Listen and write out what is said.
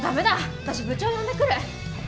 私部長呼んでくる！